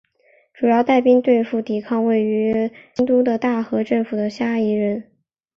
主要带兵对付抵抗位于京都的大和政权的虾夷人。